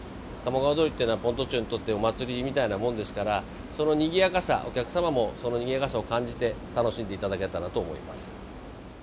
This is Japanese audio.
「鴨川をどり」っていうのは先斗町にとってお祭りみたいなもんですからそのにぎやかさお客様もそのにぎやかさを感じて楽しんでいただけたらと思います。